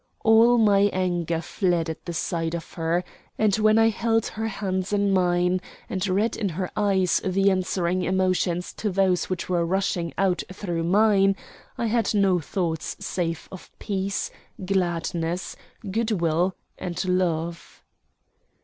All my anger fled at the sight of her, and when I held her hands in mine and read in her eyes the answering emotions to those which were rushing out through mine I had no thoughts save of peace, gladness, goodwill, and love.